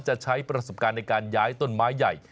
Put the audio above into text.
จะใช้ประสบการณ์ในการย้ายต้นไม้ใหญ่